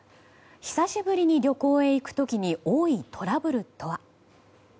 久しぶりに旅行へ行く時に多いトラブルとは。